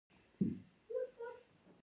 زه وايم لمبه دي وي پتنګ دي وي